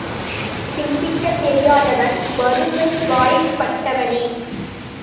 சிந்திக்கத் தெரியாதவன் வறுமை வாய்ப் பட்டவனே!